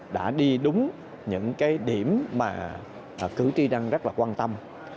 đã đi đúng những điểm mà cử tri đang rất quan tâm